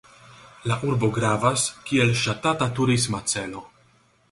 La urbo gravas kiel ŝatata turisma celo.